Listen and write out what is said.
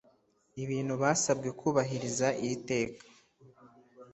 Ibintu basabwe kubahiriza iri teka